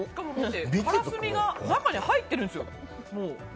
からすみが中に入ってるんですよ。